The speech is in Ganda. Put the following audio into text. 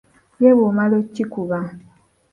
Ye bw’omala okikuba